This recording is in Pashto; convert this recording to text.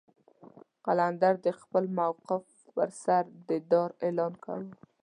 قلندر د خپل موقف پر سر د دار اعلان کاوه.